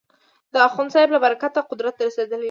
د اخوندصاحب له برکته قدرت ته رسېدلي ول.